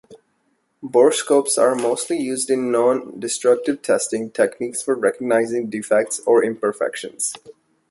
Borescopes are mostly used in nondestructive testing techniques for recognizing defects or imperfections.